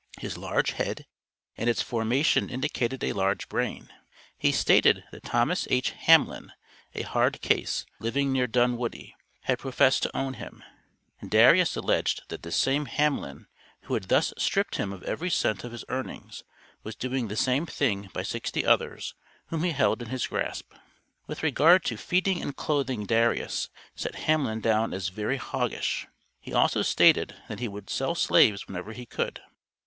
His large head and its formation indicated a large brain. He stated that "Thomas H. Hamlin, a hard case, living near Dunwoody," had professed to own him. Darius alleged that this same Hamlin, who had thus stripped him of every cent of his earnings was doing the same thing by sixty others, whom he held in his grasp. With regard to "feeding and clothing" Darius set Hamlin down as "very hoggish;" he also stated that he would sell slaves whenever he could.